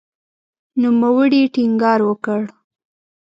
نوموړي ټینګار وکړ